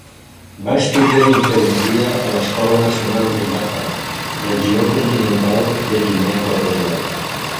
Va estudiar infermeria a l'Escola Nacional de Bata, Regió Continental de Guinea Equatorial.